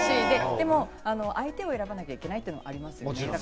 でも相手を選ばなきゃいけないというのもありますよね。